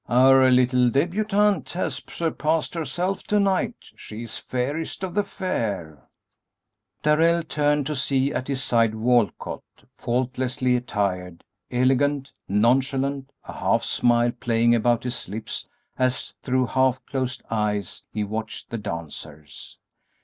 "Our little débutante has surpassed herself to night; she is fairest of the fair!" Darrell turned to see at his side Walcott, faultlessly attired, elegant, nonchalant; a half smile playing about his lips as through half closed eyes he watched the dancers.